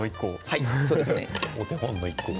お手本の１個を。